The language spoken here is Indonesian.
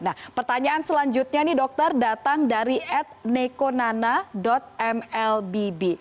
nah pertanyaan selanjutnya nih dokter datang dari at nekonana mlbb